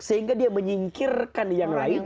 sehingga dia menyingkirkan yang lain